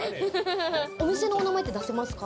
お店のお名前って出せますか？